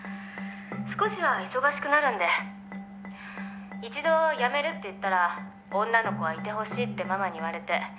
少しは忙しくなるんで」「一度辞めるって言ったら女の子はいてほしいってママに言われて」